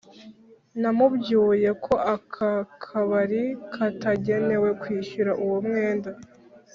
Namubwuye ko aka kabari katagenewe kwishyura uwo mwenda